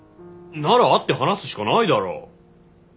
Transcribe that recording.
なら会って話すしかないだろ！